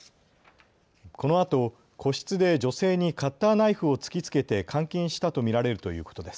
このあと、個室で女性にカッターナイフを突きつけて監禁したと見られるということです。